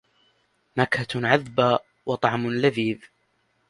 نكهةٌ عذبةٌ وطعم لذيذٌ